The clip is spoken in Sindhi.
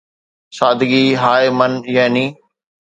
سادگي هاءِ مَن، يعني